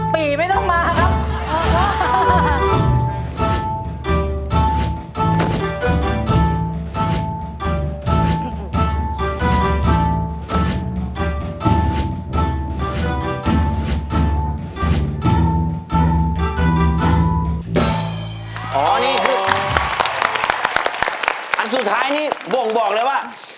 ปีไม่ต้องมาครับ